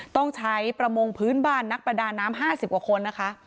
ต้องใช้ประมงพื้นบ้านนักประดาน้ำ๕๐กว่าคนนะคะ